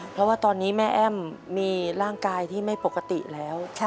เพราะว่าตอนนี้แม่แอ้มมีร่างกายที่ไม่ปกติแล้ว